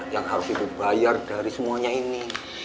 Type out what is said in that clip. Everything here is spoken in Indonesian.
yang harus dibayar dari semuanya ini